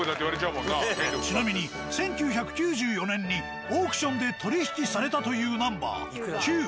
ちなみに１９９４年にオークションで取り引きされたというナンバー９。